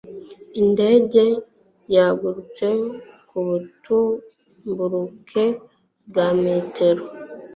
Indege yagurutse ku butumburuke bwa metero ..